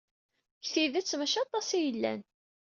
Deg tidet, maci aṭas ay yellan.